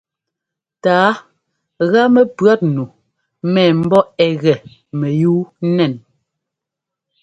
Tǎa gá mɛpʉ̈ɔtnu mɛ mbɔ ɛ gɛ mɛyúu nɛn.